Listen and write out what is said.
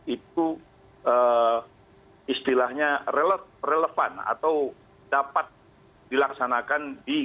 itu istilahnya relevan atau dapat dilaksanakan di